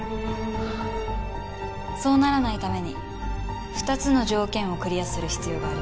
そうならないために２つの条件をクリアする必要があります。